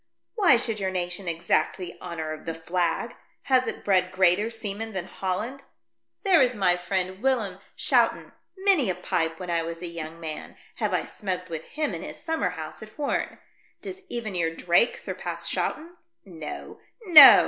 Why should your nation exact the honour of the flag ? Has it bred greater seamen than Holland.'' There 124 THE DEATH SHIP. is my friend Willem Schouten — many a pipe, when I was a young man, have I smoked with him in his summer house at Hoorn. Does even your Drake surpass Schouten ? No, no!